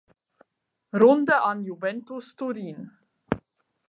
Runde an Juventus Turin.